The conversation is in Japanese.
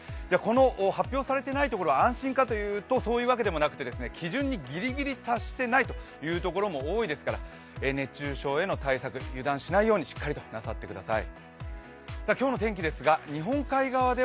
発表されていないところは安心かというと、そういうわけでもなくて基準にぎりぎり達していないというところも多いですから熱中症への対策、油断しないようにしっかりなさってください。